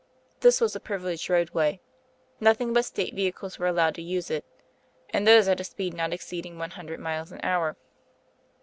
This was a privileged roadway; nothing but state vehicles were allowed to use it, and those at a speed not exceeding one hundred miles an hour.